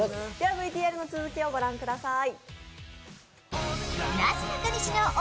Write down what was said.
ＶＴＲの続きをご覧ください。